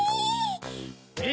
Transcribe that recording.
え！